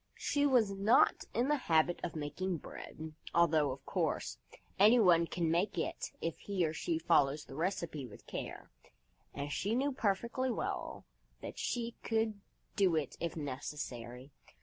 She was not in the habit of making bread, although, of course, anyone can make it if he or she follows the recipe with care, and she knew perfectly well that she could do it if necessary.